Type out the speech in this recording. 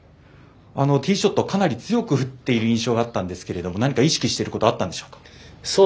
ティーショットかなり強く振ってる印象があったんですが何か意識しているところあったんでしょうか。